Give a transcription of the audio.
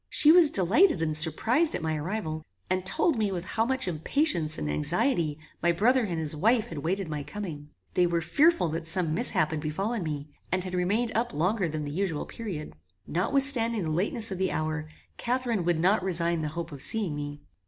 She was delighted and surprized at my arrival, and told me with how much impatience and anxiety my brother and his wife had waited my coming. They were fearful that some mishap had befallen me, and had remained up longer than the usual period. Notwithstanding the lateness of the hour, Catharine would not resign the hope of seeing me.